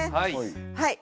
はい。